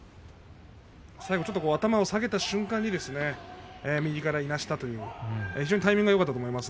最後、ちょっと頭を下げた瞬間に右からいなしたという非常にタイミングがよかったと思います。